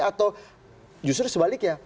atau justru sebaliknya